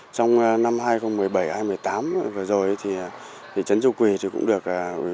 trong năm hai nghìn một mươi bảy hai nghìn một mươi tám vừa rồi